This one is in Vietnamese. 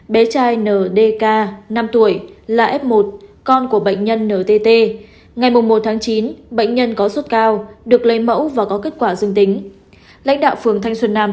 bé trai ndk năm tuổi là f một con của bệnh nhân ntt ngày một chín bệnh nhân có sốt cao được lấy mẫu và có kết quả dương tính